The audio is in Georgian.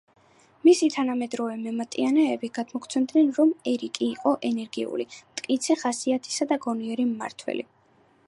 მისი თანამედროვე მემატიანეები გადმოგვცემენ, რომ ერიკი იყო ენერგიული, მტკიცე ხასიათისა და გონიერი მმართველი.